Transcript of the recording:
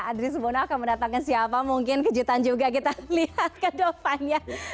adri subono akan mendatangkan siapa mungkin kejutan juga kita lihat kedopanya